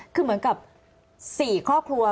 คือเหมือนกับ๔ครอบครัว